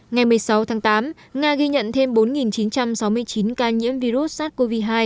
ngày một mươi sáu tháng tám nga ghi nhận thêm bốn chín trăm sáu mươi chín ca nhiễm virus sars cov hai